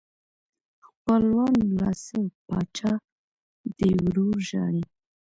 خپلوانو لا څه پاچا دې ورور ژاړي.